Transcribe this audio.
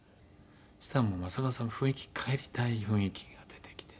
そしたらもう正和さん雰囲気帰りたい雰囲気が出てきて。